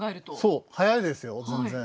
そう早いですよ全然。